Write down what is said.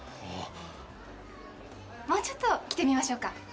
もうちょっと着てみましょうか。